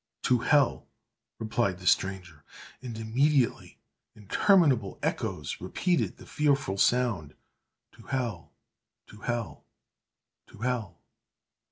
"To hell!" replied the stranger, and immediately interminable echoes repeated the fearful sound, "To hell!—to hell!—to hell!"